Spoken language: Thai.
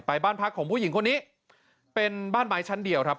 บ้านพักของผู้หญิงคนนี้เป็นบ้านไม้ชั้นเดียวครับ